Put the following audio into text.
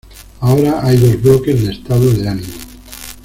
Ahora hay dos bloques de estado de ánimo.